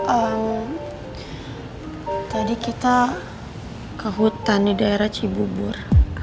eh tadi kita ke hutan di daerah cibubur